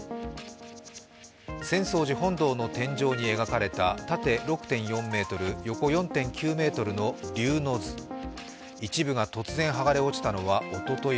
浅草寺本堂の天井に描かれた縦６．４ｍ、横４．９ｍの「龍之図」、一部が突然、剥がれ落ちたのはおととい